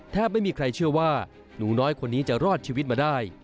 ไม่มีใครเชื่อว่าหนูน้อยคนนี้จะรอดชีวิตมาได้